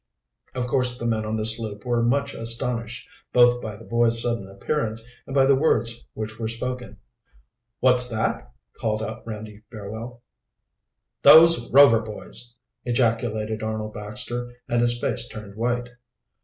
Of course the men on the sloop were much astonished, both by the boys' sudden appearance and by the words which were spoken. "What's that?" called out Randy Fairwell. "Those Rover boys!" ejaculated Arnold Baxter, and his face turned white.